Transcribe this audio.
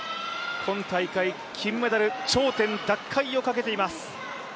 今大会、金メダル、頂点奪回をかけています。